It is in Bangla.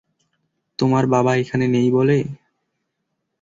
তোমার বাবা এখানে নেই বলে?